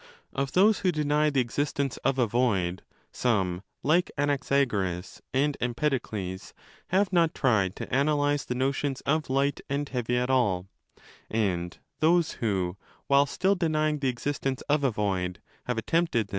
Of those who deny the existence of a void some, like Anaxagoras and Empedocles, have not tried to analyse the notions of light and heavy at all; and those who, while still 20 denying the existence of a void, have attempted this